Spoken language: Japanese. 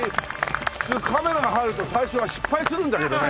普通カメラが入ると最初は失敗するんだけどね。